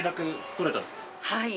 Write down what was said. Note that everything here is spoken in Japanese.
はい！